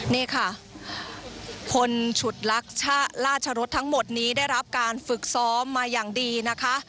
นี่ค่ะคนฉุดลักษณ์ราชรสทั้งหมดนี้ได้รับการฝึกซ้อมมาอย่างดีนะคะ